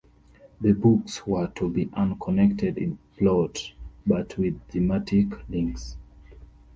The books were to be unconnected in plot, but with thematic links.